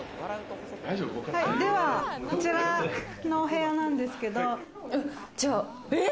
では、こちらのお部屋なんですけど。